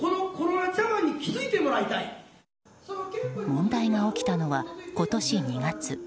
問題が起きたのは、今年２月。